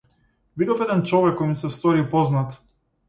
Видов еден човек кој ми се стори познат.